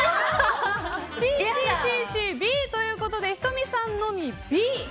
Ｃ、Ｃ、Ｃ、Ｃ、Ｂということで仁美さんのみＢ。